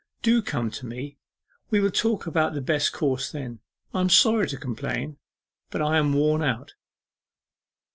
Do come to me. We will talk about the best course then. I am sorry to complain, but I am worn out.